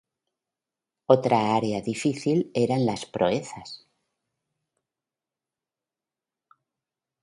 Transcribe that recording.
Otra área difícil eran las proezas.